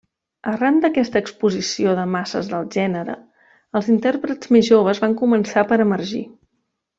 Arran d'aquesta exposició de masses del gènere, els intèrprets més joves van començar per emergir.